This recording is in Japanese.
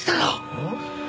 えっ？